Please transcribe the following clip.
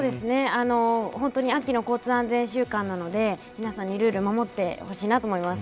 本当に秋の交通安全週間なので皆さんにルールを守ってほしいなと思います。